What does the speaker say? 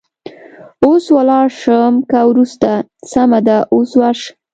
اوس ولاړه شم که وروسته؟ سمه ده، اوس ورشه.